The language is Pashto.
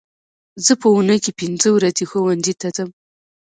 زه په اونۍ کې پینځه ورځې ښوونځي ته ځم